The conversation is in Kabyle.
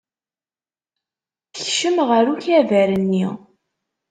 Tekcem ɣer ukabar-nni.